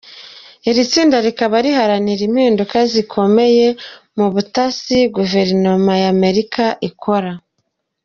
Iri tsinda rikaba riharanira "impinduka zikomeye" mu butasi guverinoma y’Amerika ikora.